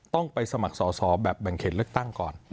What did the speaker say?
ต้องไปสมัครสอสอแบบแบ่งเขตเลือกตั้งก่อน